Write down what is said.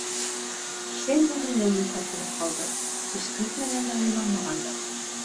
Кисә генә һеңлем вафат булып ҡалды, һис көтмәгәндә-уйламағанда.